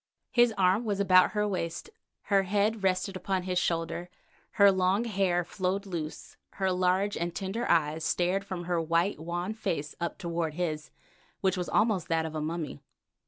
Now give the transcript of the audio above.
His arm was about her waist, her head rested upon his shoulder, her long hair flowed loose, her large and tender eyes stared from her white, wan face up toward his face, which was almost that of a mummy.